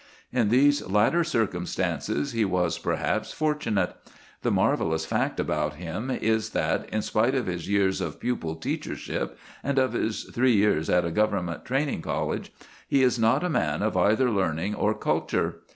In these latter circumstances he was, perhaps, fortunate. The marvellous fact about him is that, in spite of his years of pupil teachership and of his three years at a Government training college, he is not a man of either learning or culture.